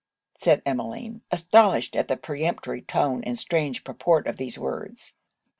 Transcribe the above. said Emmeline, astonished at the peremptory tone and strange purport of these words.